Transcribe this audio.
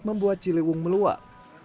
membuat ciliwung meluak